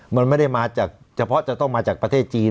มันไม่ได้มาจากเฉพาะจะต้องมาจากประเทศจีน